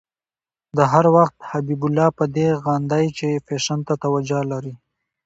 ده هر وخت حبیب الله په دې غندی چې فېشن ته توجه لري.